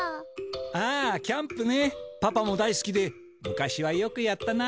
ああキャンプねパパも大すきで昔はよくやったな。